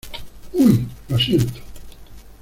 ¡ uy! lo siento.